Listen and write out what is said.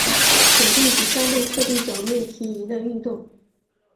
滚动及相对特定表面平移的的运动。